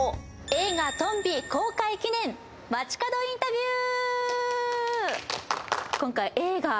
映画「とんび」公開記念街角インタビュー